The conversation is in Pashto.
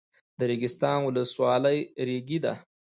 د ریګستان ولسوالۍ ریګي ده